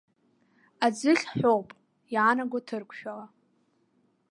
Аӡыхь ҳәоуп иаанаго ҭырқәшәала.